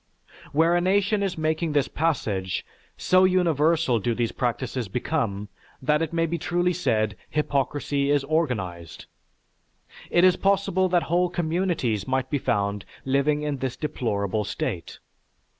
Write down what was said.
Where a nation is making this passage, so universal do these practices become that it may be truly said hypocrisy is organized. It is possible that whole communities might be found living in this deplorable state."